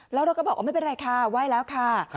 แล้วเราก็บอกไม่เป็นไรค่ะไหว้แล้วค่ะ